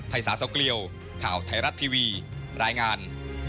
ภัยศาสตร์เกลี้ยวข่าวไทยรัฐทีวีรายงาน